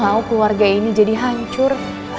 aku gak mau keluarga ini jadi hancur